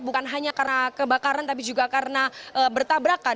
bukan hanya karena kebakaran tapi juga karena bertabrakan